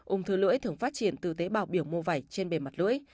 ung thư lưỡi thường phát triển từ tế bào biểu mô vẩy trên bề mặt lưỡi